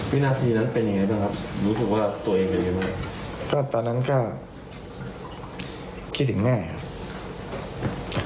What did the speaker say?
วินาทีนั้นเป็นอย่างไรบ้างครับรู้สึกว่าตัวเองเป็นอย่างไร